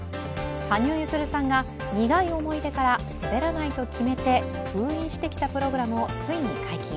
羽生結弦さんが苦い思い出から滑らないと決めて封印してきたプログラムをついに解禁。